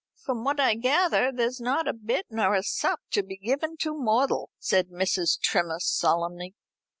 "From what I gather, there's not a bit nor a sup to be given to mortal," said Mrs. Trimmer solemnly.